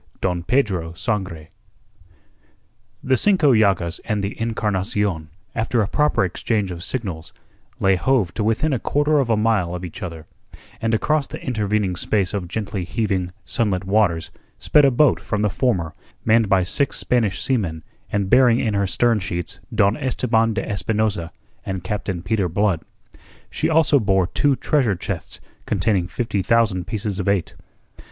DON PEDRO SANGRE The Cinco Llagas and the Encarnacion, after a proper exchange of signals, lay hove to within a quarter of a mile of each other, and across the intervening space of gently heaving, sunlit waters sped a boat from the former, manned by six Spanish seamen and bearing in her stern sheets Don Esteban de Espinosa and Captain Peter Blood. She also bore two treasure chests containing fifty thousand pieces of eight.